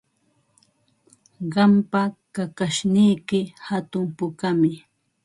Qampa kakashniyki hatun pukami.